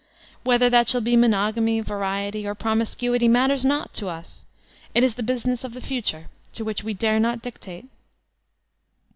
Whether that shall be monogamy, variety, or promiscuity matters naught to us; it b the business of the future, to which we dare not dictate.